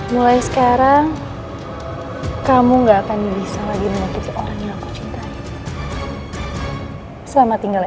mulai sekarang kamu enggak akan bisa lagi menikmati orang yang aku cintai selamat tinggal